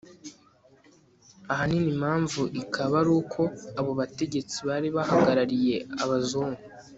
ahanini impamvu ikaba ari uko abo bategetsi bari bahagarariye abazungu